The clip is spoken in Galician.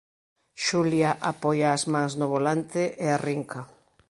Xulia apoia as mans no volante e arrinca.